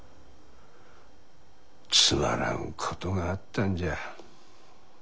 つまらんことがあったんじゃ。